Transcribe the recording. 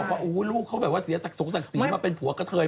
เพราะพี่บ๊วยตั้งแต่มีเพื่อนหลากหลายคน